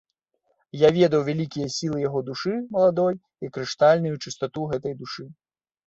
Я ведаў вялікія сілы яго душы маладой і крыштальную чыстату гэтай душы.